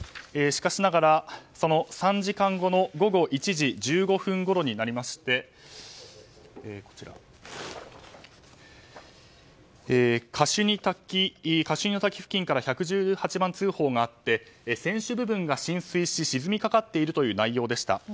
しかしながら、その３時間後の午後１時１５分ごろになりましてカシュニの滝付近から１１８番通報があって船首部分が浸水し沈みかかっているという内容でした。